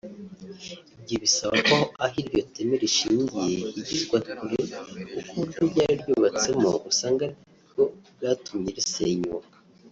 Ibyo bisaba ko aho iryo teme rishingiye higizwa kure kuko uburyo ryari ryubatsemo usanga aribwo bwatumye risenyuka